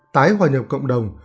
tái hoàn nhập cộng đồng